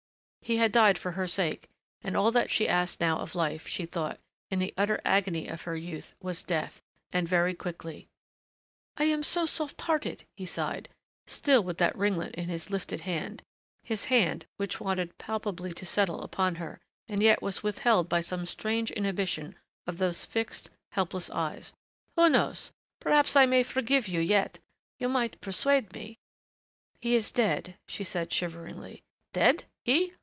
He had died for her sake, and all that she asked now of life, she thought in the utter agony of her youth, was death. And very quickly. "I am so soft hearted," he sighed, still with that ringlet in his lifted hand, his hand which wanted palpably to settle upon her and yet was withheld by some strange inhibition of those fixed, helpless eyes. "Who knows perhaps I may forgive you yet? You might persuade me " "He is dead," she said shiveringly. "Dead? He?...